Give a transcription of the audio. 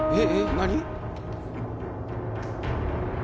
何？